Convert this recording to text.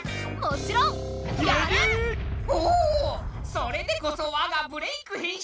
それでこそ我が「ブレイクッ！編集部」！